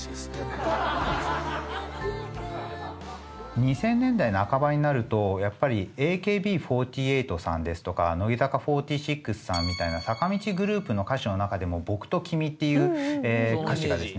２０００年代半ばになるとやっぱりＡＫＢ４８さんですとか乃木坂４６さんみたいな坂道グループの歌手の中でも「僕」と「君」っていう歌詞がですね